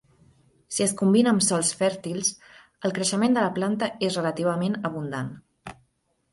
Si es combina amb sòls fèrtils, el creixement de la planta és relativament abundant.